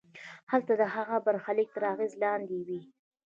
هلته د هغه برخلیک تر اغېز لاندې وي.